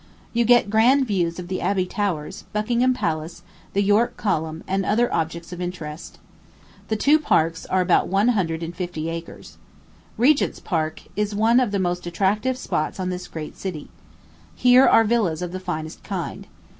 You get grand views of the Abbey towers, Buckingham Palace, the York Column, and other objects of interest. The two parks are about one hundred and fifty acres. Regent's Park is one of the most attractive spots in this great city. Here are villas of the finest kind.